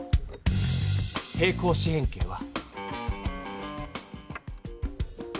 平行四辺形は。